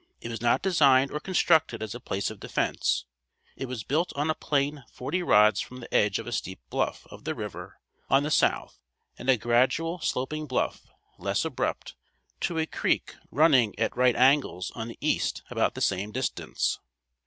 It was not designed or constructed as a place of defense. It was built on a plain forty rods from the edge of a steep bluff of the river on the south and a gradual sloping bluff, less abrupt, to a creek running at right angles on the east about the same distance.